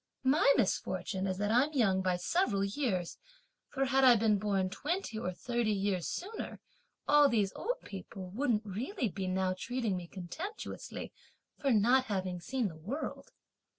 My misfortune is that I'm young by several years; for had I been born twenty or thirty years sooner, all these old people wouldn't really be now treating me contemptuously for not having seen the world!